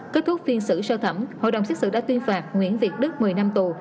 kết thúc phiên xử sơ thẩm hội đồng xét xử đã tuyên phạt nguyễn việt đức một mươi năm tù